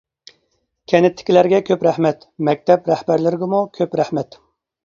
كەنتتىكىلەرگە كۆپ رەھمەت، مەكتەپ رەھبەرلىرىگىمۇ كۆپ رەھمەت.